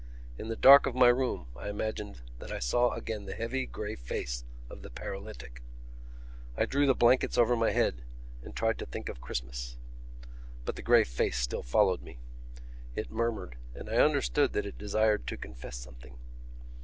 In the dark of my room I imagined that I saw again the heavy grey face of the paralytic. I drew the blankets over my head and tried to think of Christmas. But the grey face still followed me. It murmured; and I understood that it desired to confess something.